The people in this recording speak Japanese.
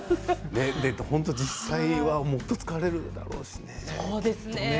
本当に実際はもっと疲れるだろうしね。